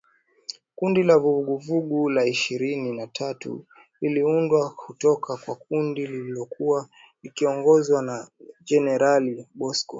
Kundi la Vuguvugu la Ishirini na tatu liliundwa kutoka kwa kundi lililokuwa likiongozwa na Generali Bosco Ntaganda